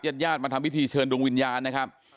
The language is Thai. ญาติญาติมาทำพิธีเชิญดวงวิญญาณนะครับ